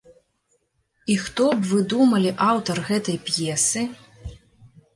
І хто б вы думалі аўтар гэтай п'есы?